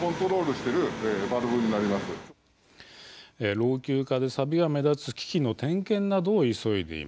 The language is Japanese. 老朽化でサビが目立つ機器の点検などを急いでいます。